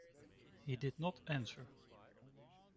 He did not answer.